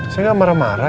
saya gak marah marah